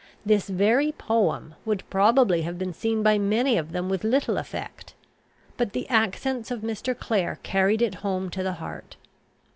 This very poem would probably have been seen by many of them with little effect; but the accents of Mr. Clare carried it home to the heart.